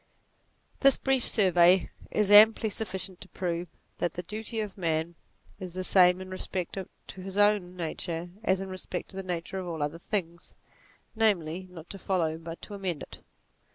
This brief survey is amply sufficient to prove that the duty of man is the same in respect to his own nature as in respect to the nature of all other things, namely not to follow but to amend it.